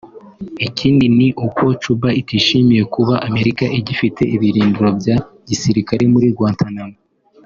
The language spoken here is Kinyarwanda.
Ikindi ni uko Cuba itishimiye kuba Amerika igifite ibirindiro bya gisirikare muri Guantanamo